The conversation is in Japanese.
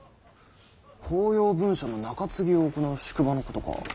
公用文書の中継ぎを行う宿場のことか。